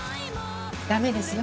駄目ですよ。